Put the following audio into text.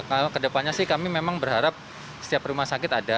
kalau kedepannya sih kami memang berharap setiap rumah sakit ada